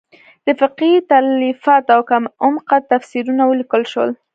د فقهې تالیفات او کم عمقه تفسیرونه ولیکل شول.